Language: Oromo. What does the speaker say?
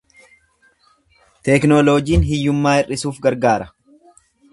Teknooloojiin hiyyummaa hir'isuuf gargaara.